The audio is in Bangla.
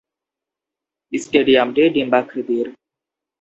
স্টেডিয়ামটি ডিম্বাকৃতির।